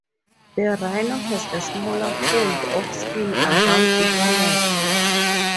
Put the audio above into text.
The rhino has a smaller fold of skin around its neck.